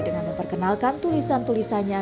dengan memperkenalkan tulisan tulisannya